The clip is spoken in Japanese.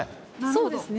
そうですね。